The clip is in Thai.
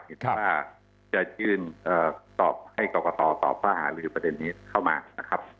ว่าจะยืนสอบให้กรกตสอบฝ่าหาเรื่องประเด็นนี้เข้ามานะครับ